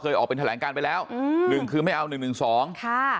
ออกเป็นแถลงการไปแล้วอืมหนึ่งคือไม่เอาหนึ่งหนึ่งสองค่ะ